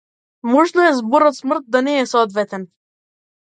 Можно е зборот смрт да не е соодветен.